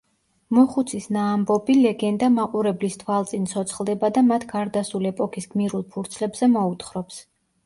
მოხუცის ნაამბობი ლეგენდა მაყურებლის თვალწინ ცოცხლდება და მათ გარდასულ ეპოქის გმირულ ფურცლებზე მოუთხრობს.